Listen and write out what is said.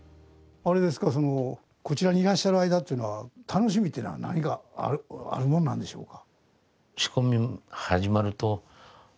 こちらにいらっしゃる間っていうのは楽しみというのは何があるものなんでしょうか？